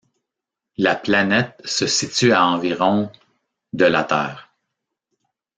La planète se situe à environ de la Terre.